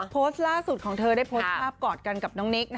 โพสต์ล่าสุดของเธอได้โพสต์ภาพกอดกันกับน้องนิก